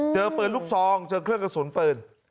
เจอปืนลูกซองเจอเครื่องกระสุนปืน